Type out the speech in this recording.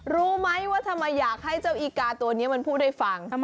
รู้ไหมว่าทำไมอยากให้เจ้าอีกาตัวนี้มันพูดให้ฟัง